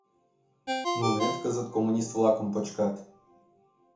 Нунет кызыт коммунист-влакым почкат.